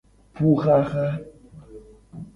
Puxaxa.